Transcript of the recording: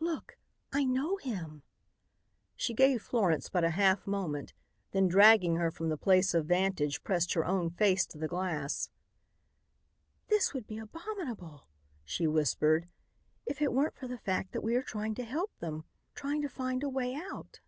"Look, I know him." She gave Florence but a half moment, then dragging her from the place of vantage pressed her own face to the glass. "This would be abominable," she whispered, "if it weren't for the fact that we are trying to help them trying to find a way out."